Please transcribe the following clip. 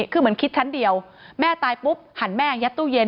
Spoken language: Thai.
คือเหมือนคิดชั้นเดียวแม่ตายปุ๊บหันแม่ยัดตู้เย็น